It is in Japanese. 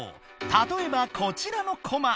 たとえばこちらのコマ。